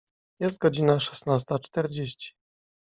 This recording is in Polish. Jest godzina szesnasta czterdzieści.